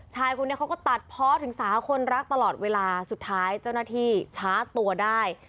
ชายคนนี้เขาก็ตัดเพาะถึงสาวคนรักตลอดเวลาสุดท้ายเจ้าหน้าที่ช้าตัวได้